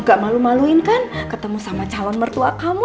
gak malu maluin kan ketemu sama calon mertua kamu